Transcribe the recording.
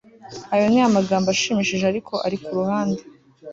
Ayo ni amagambo ashimishije ariko ari kuruhande